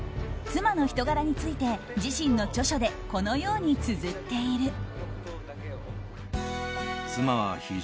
妻の人柄について自身の著書でこのようにつづっている。